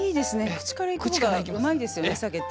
口から行く方がうまいですよねお酒って。